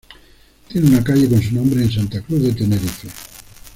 Tiene una calle con su nombre en Santa Cruz de Tenerife.